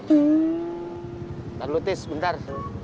bentar lu tis bentar